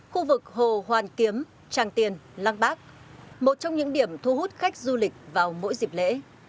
khu vực hồ hoàn kiếm tràng tiền lăng bác một trong những điểm thu hút khách du lịch vào mỗi dịp lễ